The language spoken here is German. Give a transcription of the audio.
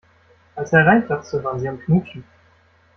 Als er hereinplatzte, waren sie am Knutschen.